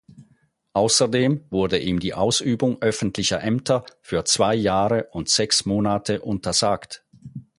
Außerdem wurde ihm die Ausübung öffentlicher Ämter für zwei Jahre und sechs Monate untersagt.